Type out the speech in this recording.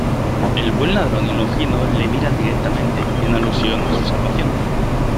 El Buen Ladrón y Longino le miran directamente, en alusión a su salvación.